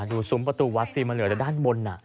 ซุ้มประตูวัดสิมันเหลือแต่ด้านบน